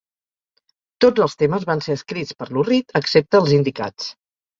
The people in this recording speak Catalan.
Tots els temes van ser escrits per Lou Reed excepte els indicats.